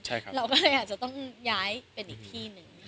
เราก็เลยอาจจะต้องย้ายเป็นอีกที่หนึ่ง